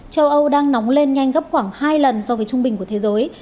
châu âu đang nóng lên nhanh gấp khoảng hai lần so với trung bình của thế giới